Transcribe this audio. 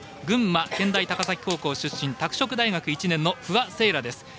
群馬、健大高崎高校出身拓殖大学１年の不破聖衣来です。